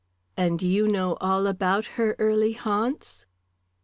"And you know all about her early haunts?"